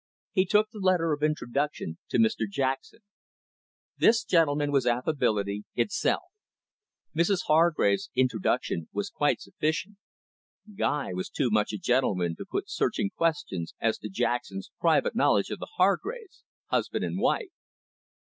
He took the letter of introduction to Mr Jackson. This gentleman was affability itself. Mrs Hargrave's introduction was quite sufficient. Guy was too much a gentleman to put searching questions as to Jackson's private knowledge of the Hargraves, husband and wife.